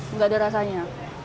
enggak ada rasanya